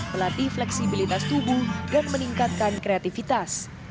melatih fleksibilitas tubuh dan meningkatkan kreativitas